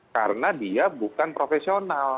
karena dia bukan profesional